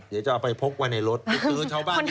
เดี๋ยวจะเอาไปพกไว้ในรถติดซื้อเช้าบ้านอีกไง